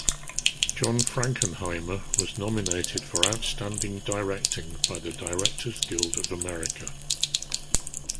John Frankenheimer was nominated for Outstanding Directing by the Directors Guild of America.